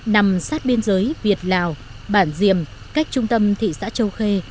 nằm sát biên giới việt lào bản diềm cách trung tâm thị xã châu khê